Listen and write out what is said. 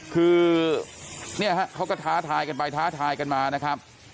คือเนี่ยฮะเขาก็ท้าทายกันไปท้าทายกันมานะครับ